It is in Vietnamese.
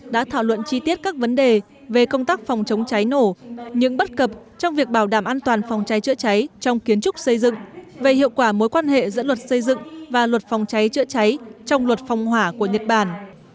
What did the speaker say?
đã thảo luận chi tiết các vấn đề về công tác phòng chống cháy nổ những bất cập trong việc bảo đảm an toàn phòng cháy chữa cháy trong kiến trúc xây dựng về hiệu quả mối quan hệ giữa luật xây dựng và luật phòng cháy chữa cháy trong luật phòng hỏa của nhật bản